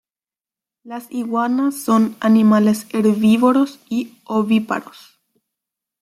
Las iguanas son animales herbívoros y ovíparos.